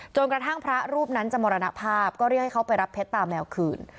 กระทั่งพระรูปนั้นจะมรณภาพก็เรียกให้เขาไปรับเพชรตาแมวคืน